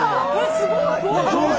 すごい！